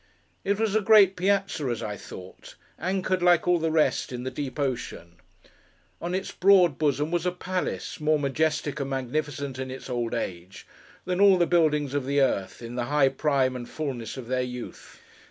It was a great Piazza, as I thought; anchored, like all the rest, in the deep ocean. On its broad bosom, was a Palace, more majestic and magnificent in its old age, than all the buildings of the earth, in the high prime and fulness of their youth.